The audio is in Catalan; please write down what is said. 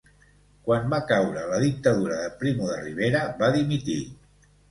Quan va caure la dictadura de Primo de Rivera va dimitir.